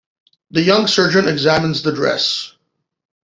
The young surgeon examines the dress.